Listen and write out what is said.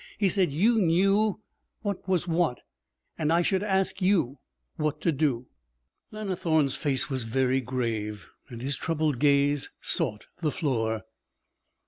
He said you knew what was what, and I should ask you what to do.' Lannithorne's face was very grave, and his troubled gaze sought the floor.